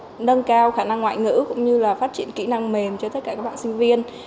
công nghiệp bốn đã tăng cao khả năng ngoại ngữ cũng như là phát triển kỹ năng mềm cho tất cả các bạn sinh viên